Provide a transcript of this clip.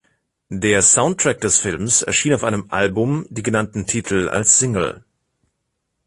Der Soundtrack des Films erschien auf einem Album, die genannten Titel als Single.